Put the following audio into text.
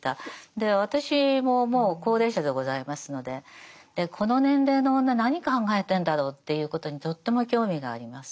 で私ももう高齢者でございますのででこの年齢の女何考えてんだろうということにとっても興味があります。